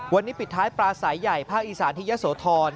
วันนี้ปิดท้ายปลาสายใหญ่ภาคอีสานที่เยอะโสธร